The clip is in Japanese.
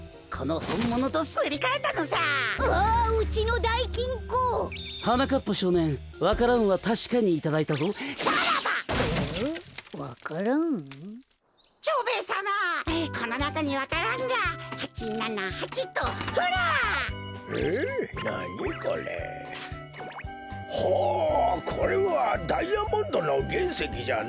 ほうこれはダイヤモンドのげんせきじゃな。